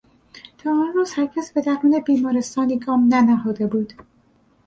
تا آن روز هرگز به درون بیمارستانی گام ننهاده بود.